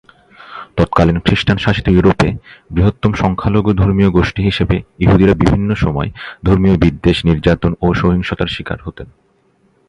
তৎকালীন খ্রিস্টান-শাসিত ইউরোপে বৃহত্তম সংখ্যালঘু ধর্মীয়-গোষ্ঠী হিসেবে ইহুদিরা বিভিন্নসময় ধর্মীয় বিদ্বেষ, নির্যাতন ও সহিংসতার শিকার হত।